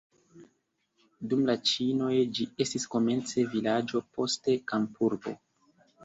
Dum la ĉinoj ĝi estis komence vilaĝo, poste kampurbo.